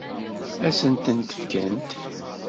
Ad sent-tent-fkent?